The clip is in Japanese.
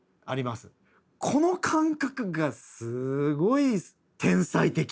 この感覚がすごい天才的。